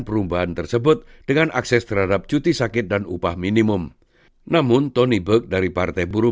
perubahan tersebut dengan akses terhadap cuti sakit dan upah minimum namun tonyberg dari partai buruh